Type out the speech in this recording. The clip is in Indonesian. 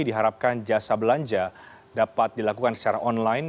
diharapkan jasa belanja dapat dilakukan secara online